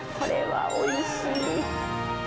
これはおいしい。